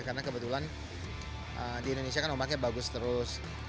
karena kebetulan di indonesia kan ombaknya bagus terus